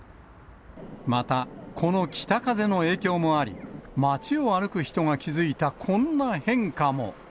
また、この北風の影響もあり、町を歩く人が気付いたこんな変化も。